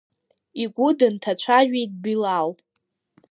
Игәы дынҭацәажәеит Билал.